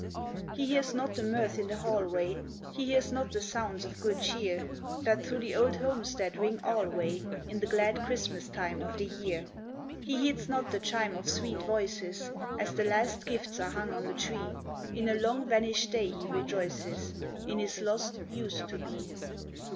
He hears not the mirth in the hallway, He hears not the sounds of good cheer, That through the old homestead ring alway In the glad Christmas time of the year. He heeds not the chime of sweet voices As the last gifts are hung on the tree. In a long vanished day he rejoices In his lost Used to be.